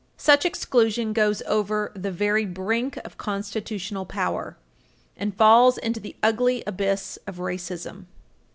Such exclusion goes over "the very brink of constitutional power," and falls into the ugly abyss of racism.